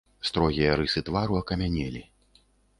Строгія рысы твару акамянелі.